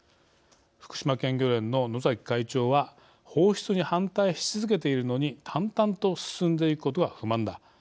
福島県漁連の野崎会長は「放出に反対し続けているのに淡々と進んでいくことが不満だ。